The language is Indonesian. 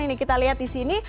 ini kita lihat di sini